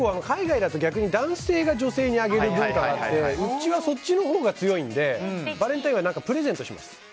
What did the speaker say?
海外だと結構男性が女性にあげる文化があってうちはそっちのほうが強いんでバレンタインはプレゼントします。